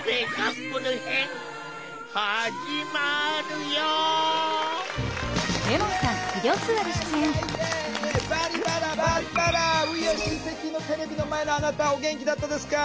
Ｗｅａｒｅシンセキ！のテレビの前のあなたお元気だったですか？